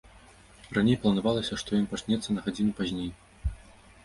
Раней планавалася, што ён пачнецца на гадзіну пазней.